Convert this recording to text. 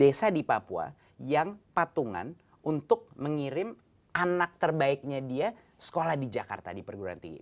desa di papua yang patungan untuk mengirim anak terbaiknya dia sekolah di jakarta di perguruan tinggi